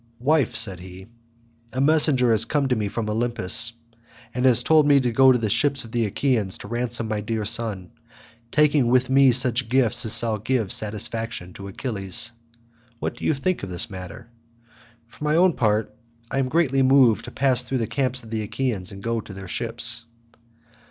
"Wife," said he, "a messenger has come to me from Olympus, and has told me to go to the ships of the Achaeans to ransom my dear son, taking with me such gifts as shall give satisfaction to Achilles. What think you of this matter? for my own part I am greatly moved to pass through the camps of the Achaeans and go to their ships."